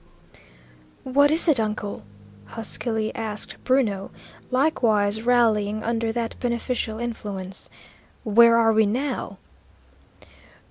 "What is it, uncle?" huskily asked Bruno, likewise rallying under that beneficial influence. "Where are we now?"